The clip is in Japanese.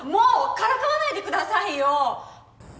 からかわないでくださいよ！